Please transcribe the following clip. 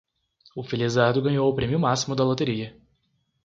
O felizardo ganhou o prêmio máximo da loteria